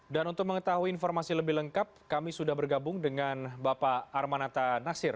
dan untuk mengetahui informasi lebih lengkap kami sudah bergabung dengan bapak armanata nasir